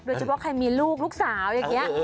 โดยเฉพาะใครมีลูกลูกสาวอย่างนี้